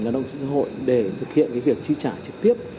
là đồng sự xã hội để thực hiện việc tri trả trực tiếp